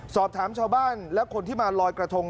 สอบถามชาวบ้านและคนที่มาลอยกระทง